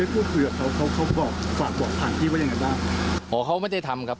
พูดคุยกับเขาฝากบอกผ่านที่ว่าอย่างไรบ้าง